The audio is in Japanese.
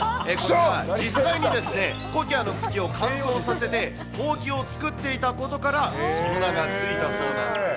実際にコキアの茎を乾燥させて、ほうきを作っていたことから、その名が付いたそうなんです。